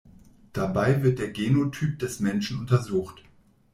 Dabei wird der Genotyp des Menschen untersucht.